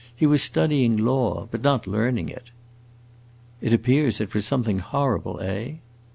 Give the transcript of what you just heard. He was studying law but not learning it." "It appears it was something horrible, eh?"